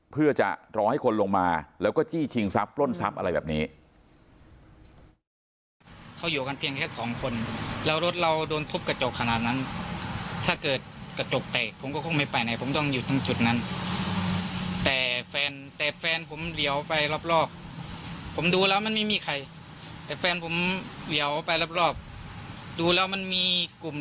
เพื่อจะรอให้คนลงมาแล้วก็จี้ชิงทรัพย์ปล้นทรัพย์อะไรแบบนี้